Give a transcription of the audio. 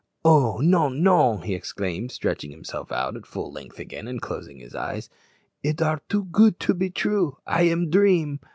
"Oh, non, non!" he exclaimed, stretching himself out at full length again, and closing his eyes; "it are too goot to be true. I am dream.